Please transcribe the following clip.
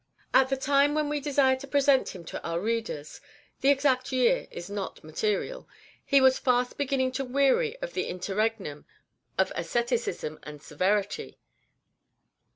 At the time when we desire to present him to our readers (the exact year is not material), he was fast beginning to weary of an interregnum of asceticism and severity.